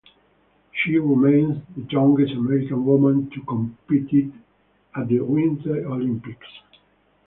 She remains the youngest American woman to compete at the Winter Olympics.